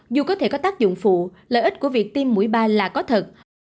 dù có thể có tác dụng phụ lợi ích của việc tiêm mũi ba là có thật